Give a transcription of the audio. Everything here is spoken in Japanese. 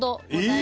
え